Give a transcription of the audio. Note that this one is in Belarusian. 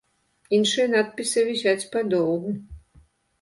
Іншыя надпісы вісяць падоўгу.